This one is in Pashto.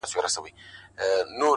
د سهار هوا د بدن حرکت اسانه کوي.!